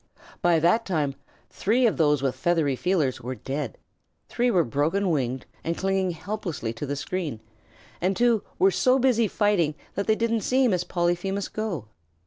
By that time three of those with feathery feelers were dead, three were broken winged and clinging helplessly to the screen, and two were so busy fighting that they didn't see Miss Polyphemus go.